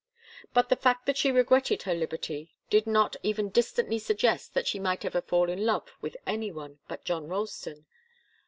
But the fact that she regretted her liberty did not even distantly suggest that she might ever fall in love with any one but John Ralston.